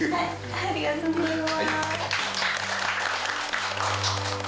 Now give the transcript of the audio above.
ありがとうございます。